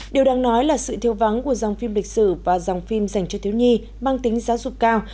điều đang nói là sự thiêu vắng của dòng phim lịch sử và dòng phim dành cho thiếu nhi mang tính giá rụt cao